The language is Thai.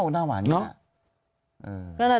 เล่าหน้าหวานอย่างนี้